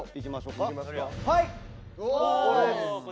はい！